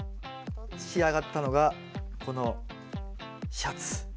仕上がったのがこのシャツ。